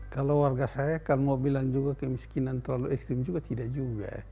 kalau warga saya kalau mau bilang juga kemiskinan terlalu ekstrim juga tidak juga